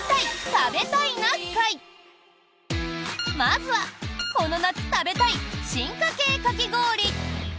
まずは、この夏食べたい進化系かき氷。